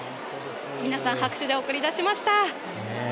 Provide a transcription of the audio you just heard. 皆さん、拍手で送り出しました。